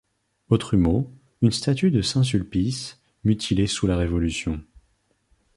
Au trumeau, une statue de saint Sulpice, mutilée sous la Révolution.